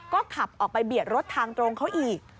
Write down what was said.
ก็ขับออกไปเบียดรถทางตรงเขาอีก